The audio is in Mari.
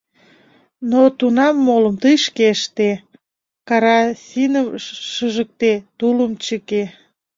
Но тунам молым тый шке ыште: карасиным шыжыкте, тулым чыке.